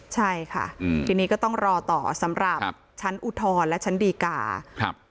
ใช่ค่ะทีนี้ก็ต้องรอต่อสำหรับชั้นอุทธรณ์และชั้นดีกาครับ